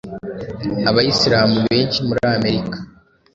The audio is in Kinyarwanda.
Abayislam benshi muri Amerika